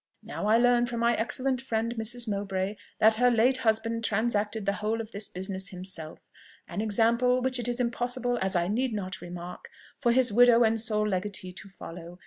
Now I learn from my excellent friend Mrs. Mowbray, that her late husband transacted the whole of this business himself; an example which it is impossible, as I need not remark, for his widow and sole legatee to follow.